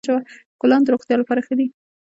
ګلان د روغتیا لپاره ښه دي.